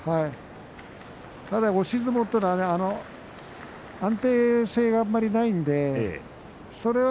押し相撲というのは安定性があまりないのでそれは